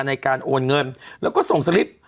ในการโอนเงินแล้วก็ส่งสลิป